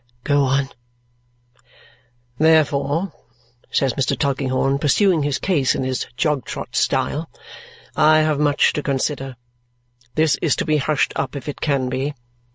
"Go on!" "Therefore," says Mr. Tulkinghorn, pursuing his case in his jog trot style, "I have much to consider. This is to be hushed up if it can be.